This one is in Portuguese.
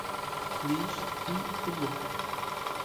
Liz e Eduardo